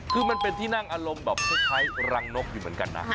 คือมันเป็นที่นั่งอารมณ์แบบคล้ายรังนกอยู่เหมือนกันนะ